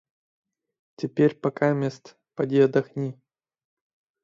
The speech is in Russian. Теперь покамест поди отдохни».